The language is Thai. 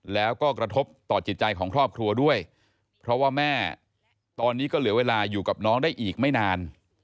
แล้วก็กระทบต่อจิตใจของครอบครัวด้วยเพราะว่าแม่ตอนนี้ก็เหลือเวลาอยู่กับน้องได้อีกไม่นาน